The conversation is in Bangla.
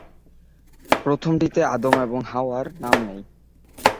প্রথমটিতে, আদম এবং হাওয়ার নাম নেই।